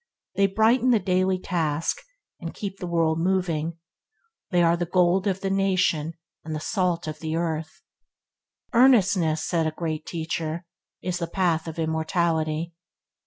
They brighten the daily task, and keep the world moving. They are the gold of the nation and the salt of the earth. "Earnestness", said a Great Teacher, "is the path of immortality.